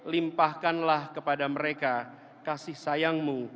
limpahkanlah kepada mereka kasih sayang mu